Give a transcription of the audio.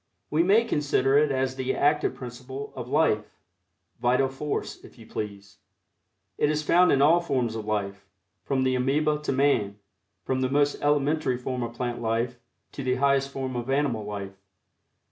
We may consider it as the active principle of life Vital Force, if you please. It is found in all forms of life, from the amoeba to man from the most elementary form of plant life to the highest form of animal life.